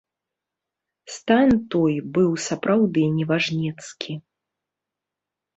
Стан той быў сапраўды неважнецкі.